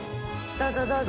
どうぞどうぞ。